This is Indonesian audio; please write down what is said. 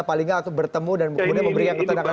paling gak bertemu dan memberikan ketenangan